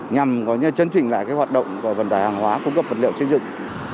nhằm chấn chỉnh lại cái hoạt động của vận tải hàng hóa cung cấp vật liệu chế dựng